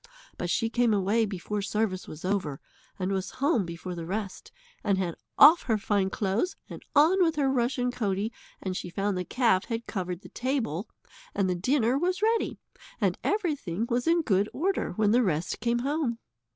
But she came away before service was over, and was home before the rest, and had off her fine clothes and on with her rushen coatie, and she found the calf had covered the table, and the dinner was ready, and everything was in good order when the rest came home.